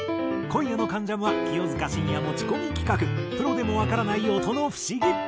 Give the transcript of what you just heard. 今夜の『関ジャム』は清塚信也持ち込み企画「プロでもわからない音の不思議」。